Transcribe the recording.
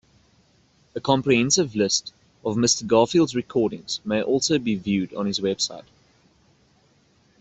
A comprehensive list of Mr. Garfield's recordings may also be viewed on his website.